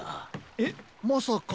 えっまさか。